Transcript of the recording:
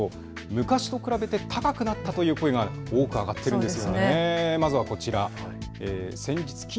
昔と比べて高くなったという声が多く上がっているんです。